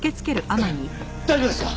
大丈夫ですか！？